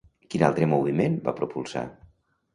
Quin altre moviment va propulsar?